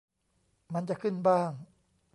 มันจะขึ้นบ้าง